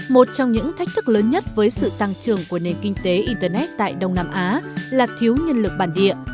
một trong những thách thức lớn nhất với sự tăng trưởng của nền kinh tế internet tại đông nam á là thiếu nhân lực bản địa